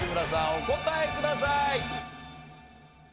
お答えください。